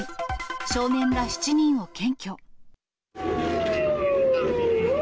少年ら７人を検挙。